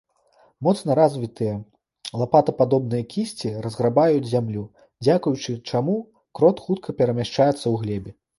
Моцна развітыя лапатападобныя кісці разграбаюць зямлю, дзякуючы чаму крот хутка перамяшчаецца ў глебе.